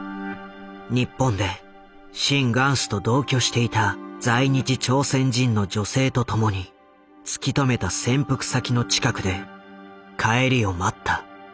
日本でシン・グァンスと同居していた在日朝鮮人の女性と共に突き止めた潜伏先の近くで帰りを待った。